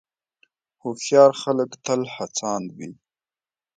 هوښیار خلک تل هڅاند وي.